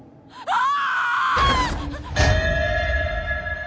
ああ！